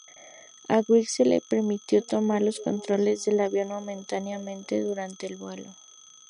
A Wright se le permitió tomar los controles del avión momentáneamente durante el vuelo.